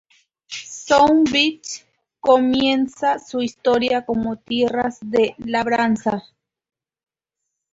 South Beach comienza su historia como tierras de labranza.